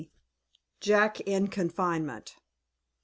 JACK IN CONFINEMENT.